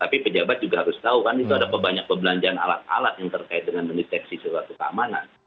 tapi pejabat juga harus tahu kan itu ada banyak pebelanjaan alat alat yang terkait dengan mendeteksi suatu keamanan